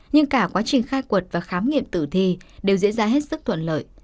nhưng cả quá trình khai quật và khám nghiệm tử thi đều diễn ra hết sức thuận lợi